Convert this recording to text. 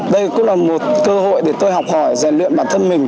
đây cũng là một cơ hội để tôi học hỏi rèn luyện bản thân mình